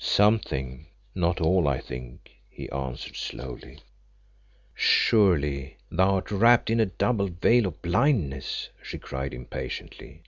"Something, not all, I think," he answered slowly. "Surely thou art wrapped in a double veil of blindness," she cried impatiently.